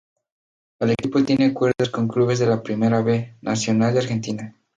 El equipo tiene acuerdos con clubes de la Primera "B" Nacional de Argentina.